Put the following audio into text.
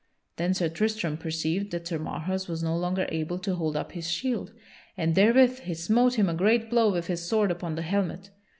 Then Sir Tristram perceived that Sir Marhaus was no longer able to hold up his shield, and therewith he smote him a great blow with his sword upon the helmet.